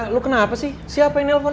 lu kenapa sih siapa yang nelfon